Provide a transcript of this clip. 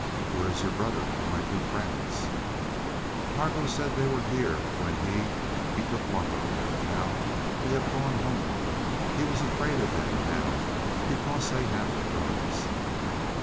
"Where is your brother and my two friends?" "Targo said they were here when he he took Loto. Now they have gone home. He was afraid of them now because they have the drugs."